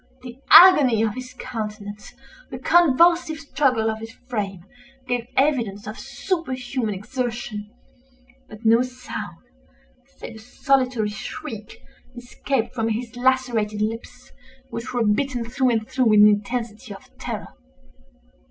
The agony of his countenance, the convulsive struggle of his frame, gave evidence of superhuman exertion: but no sound, save a solitary shriek, escaped from his lacerated lips, which were bitten through and through in the intensity of terror.